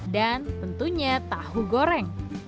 dan tentunya tahu goreng